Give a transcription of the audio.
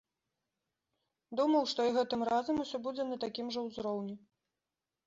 Думаў, што і гэтым разам усё будзе на такім жа ўзроўні.